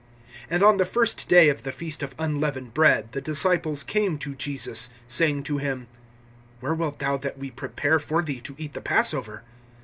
(17)And on the first day of the feast of unleavened bread the disciples came to Jesus, saying to him: Where wilt thou that we prepare for thee to eat the passover?